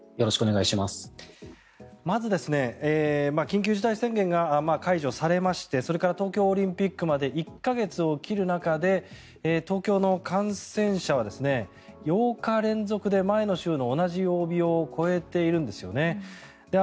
まず、緊急事態宣言が解除されましてそれから、東京オリンピックまで１か月を切る中で東京の感染者は８日連続で前の週の同じ曜日を超えているんですよね。